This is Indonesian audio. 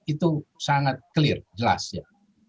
itu sangat clear jelas ya